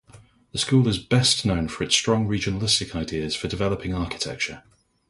The school is best known for its strong regionalistic ideas for developing architecture.